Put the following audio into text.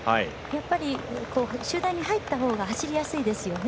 集団に入ったほうが走りやすいですよね。